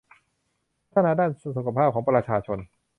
พัฒนาด้านสุขภาพของประชาชน